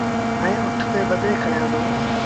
ائيٚݩ اُٺ تي ٻڌي کيآندون۔